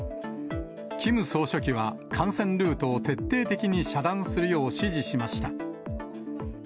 キム総書記は、感染ルートを徹底的に遮断するよう指示しました。